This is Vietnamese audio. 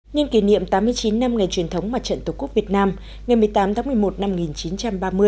nhân kỷ niệm tám mươi chín năm ngày truyền thống mặt trận tổ quốc việt nam ngày một mươi tám tháng một mươi một năm một nghìn chín trăm ba mươi